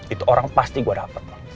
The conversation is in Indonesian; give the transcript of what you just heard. itu orang pasti gue dapet